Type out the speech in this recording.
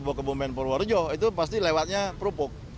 bawa ke bumen purworejo itu pasti lewatnya kerupuk